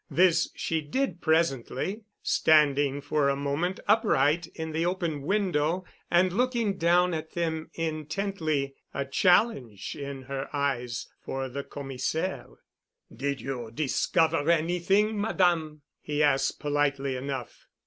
This she did presently, standing for a moment upright in the open window and looking down at them intently, a challenge in her eyes for the Commissaire. "Did you discover anything, Madame?" he asked politely enough.